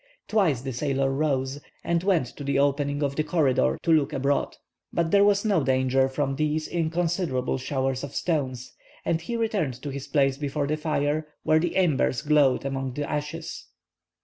Twice the sailor rose, and went to the opening of the corridor, to look abroad. But there was no danger from these inconsiderable showers of stones, and he returned to his place before the fire, where the embers glowed among the ashes.